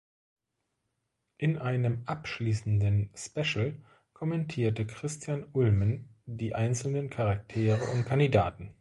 In einem abschließenden Special kommentierte Christian Ulmen die einzelnen Charaktere und Kandidaten.